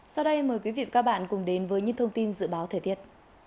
sau đây mời quý vị và các bạn cùng đến với những thông tin dự báo thời tiết